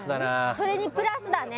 それにプラスだね